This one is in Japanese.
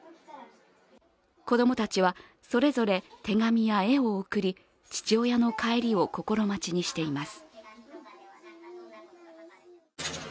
子供たちはそれぞれ手紙や絵を送り父親の帰りを心待ちにしています。